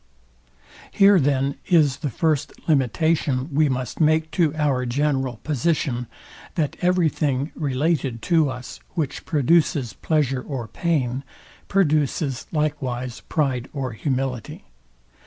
Here then is the first limitation, we must make to our general position, that every thing related to us, which produces pleasure or pain, produces likewise pride or humility.